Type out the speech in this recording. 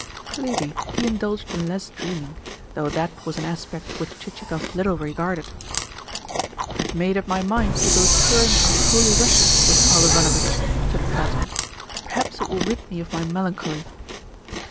Clearly he indulged in less dreaming, though that was an aspect which Chichikov little regarded. "I have made up my mind to go touring our Holy Russia with Paul Ivanovitch," said Platon. "Perhaps it will rid me of my melancholy."